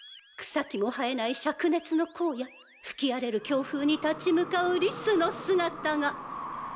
草木も生えない灼熱の荒野吹き荒れる強風に立ち向かうリスの姿が。